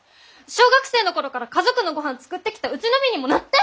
小学生の頃から家族のごはん作ってきたうちの身にもなって！